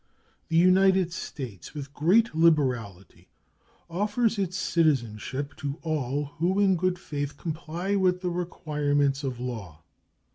The United States, with great liberality, offers its citizenship to all who in good faith comply with the requirements of law.